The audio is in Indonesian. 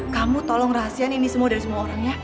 kamu tolong rahasia ini semua dari semua orang ya